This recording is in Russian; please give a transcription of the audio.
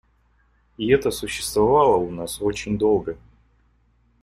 И это существовало у нас очень долго.